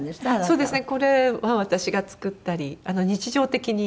そうですか。